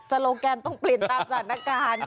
โลแกนต้องเปลี่ยนตามสถานการณ์